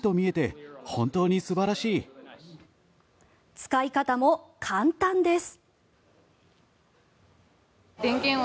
使い方も簡単です。